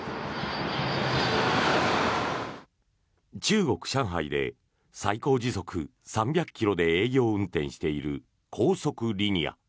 中国・上海で最高時速３００ｋｍで営業運転している高速リニア。